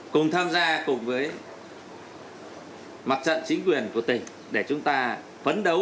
cùng tham gia cùng với mặt trận chính quyền của tỉnh để chúng ta phấn đấu